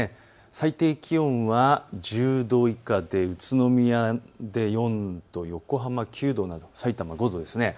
最低気温は１０度以下で宇都宮で４度、横浜９度など、さいたま５度です。